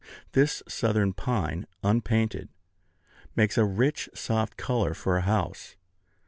This southern pine, unpainted, makes a rich, soft color for a house.